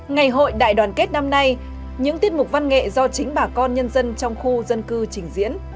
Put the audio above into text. ngày hội đại đoàn kết năm nay những tiết mục văn nghệ do chính bà con nhân dân trong khu dân cư trình diễn